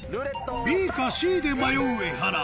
ＢかＣで迷うエハラ